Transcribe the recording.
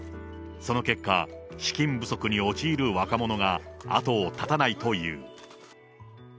その結果、資金不足に陥る若者が後を絶たないという。